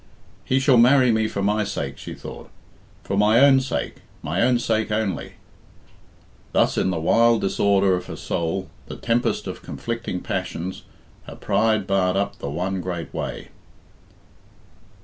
"He shall marry me for my sake," she thought, "for my own sake my own sake only." Thus in the wild disorder of her soul the tempest of conflicting passions her pride barred up the one great way.